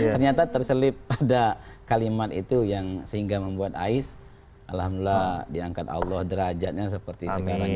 ternyata terselip pada kalimat itu yang sehingga membuat ais alhamdulillah diangkat allah derajatnya seperti sekarang